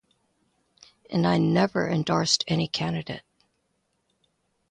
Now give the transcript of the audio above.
And I never endorsed any candidate.